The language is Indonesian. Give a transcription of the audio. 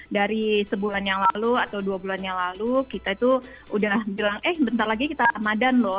dari sebulan yang lalu atau dua bulan yang lalu kita itu udah bilang eh bentar lagi kita ramadan loh